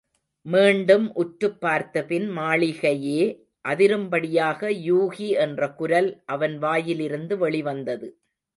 மீண்டும் உற்றுப் பார்த்தபின் மாளிகையே அதிரும் படியாக, யூகி என்ற குரல் அவன் வாயிலிருந்து வெளிவந்தது.